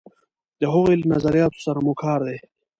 د هغوی له نظریاتو سره مو کار دی.